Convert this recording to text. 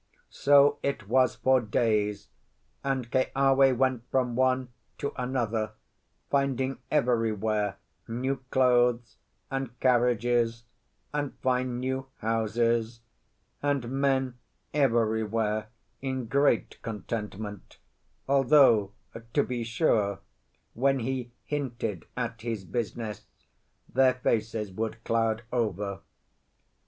So it was for days, and Keawe went from one to another, finding everywhere new clothes and carriages, and fine new houses and men everywhere in great contentment, although, to be sure, when he hinted at his business their faces would cloud over.